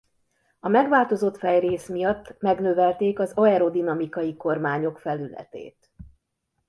A megváltozott fejrész miatt megnövelték az aerodinamikai kormányok felületét.